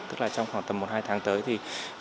tức là trong khoảng tầm một hai tháng tới